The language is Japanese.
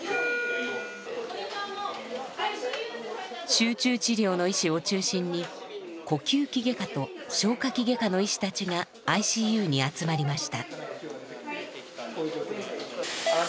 集中治療の医師を中心に呼吸器外科と消化器外科の医師たちがＩＣＵに集まりました。